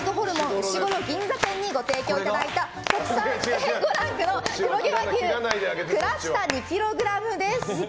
うしごろ銀座店にご提供いただいた国産Ａ５ランクの黒毛和牛クラシタ２ｋｇです。